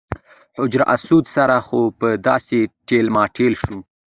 حجر اسود سره خو به داسې ټېل ماټېل شو.